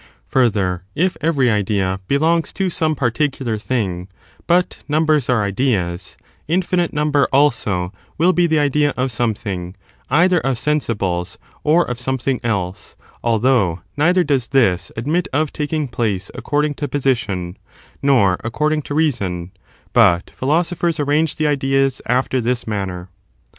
Further, if every idea belongs to some particular thing — but numbers are ideas — infinite number, also, will be the idea of something, either ci sensibles or of something ^Ise; although neither does this admit of taking place according to position, nor according to reason ; but philosophers arrange the ideas after this manner.